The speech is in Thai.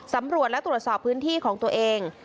สำรวจและตรวจสอบพื้นที่ของตัวเอง